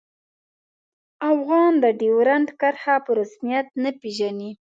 افغانان د ډیورنډ کرښه په رسمیت نه پيژني